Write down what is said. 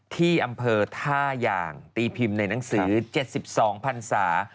ที่อำเภอท่ายางตีพิมพ์ในหนังสือ๗๒พันศา